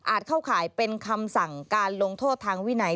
เข้าข่ายเป็นคำสั่งการลงโทษทางวินัย